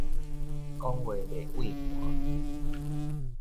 講話袂畏寒